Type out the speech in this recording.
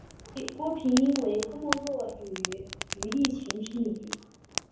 其妻郭平英为郭沫若与于立群之女。